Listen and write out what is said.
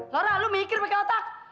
lora lu mikir mikir otak